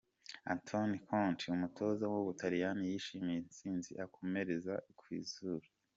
Antoni Conte umutoza w'Ubutaliyani yishimiye intsinzi akomereka izuru.